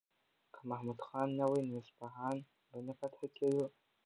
که محمود خان نه وای نو اصفهان به نه فتح کېدو.